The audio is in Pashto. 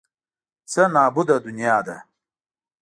څه نابوده دنیا ده.